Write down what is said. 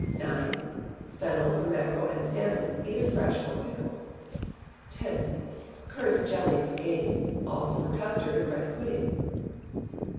ix. Fennel for mackerel and salmon, either fresh or pickled. x. Currant jelly for game, also for custard or bread pudding.